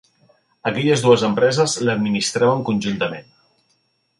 Aquelles dues empreses l'administraven conjuntament.